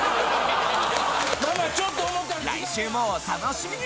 来週もお楽しみに！